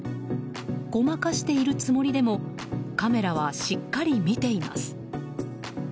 ごまかしているつもりでもカメラはしっかり見ています。